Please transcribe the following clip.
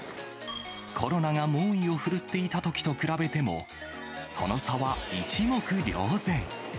コロナが猛威を振るっていたときと比べても、その差は一目瞭然。